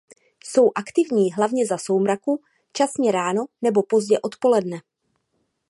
Jsou aktivní hlavně za soumraku časně ráno nebo pozdě odpoledne.